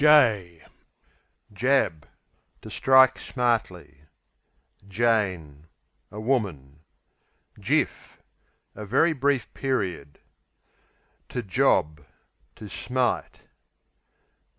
Jab To strike smartly. Jane A woman. Jiff A very brief period. Job, to To smite.